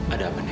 ada apa nenek